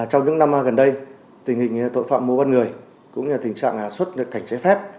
trong những năm gần đây tình hình tội phạm mô văn người cũng như tình trạng xuất cảnh trái phép